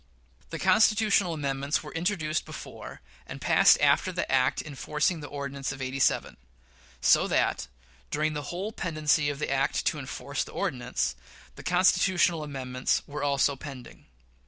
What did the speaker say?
The Constitutional amendments were introduced before and passed after the act enforcing the Ordinance of '87; so that, during the whole pendency of the act to enforce the Ordinance, the Constitutional amendments were also pending.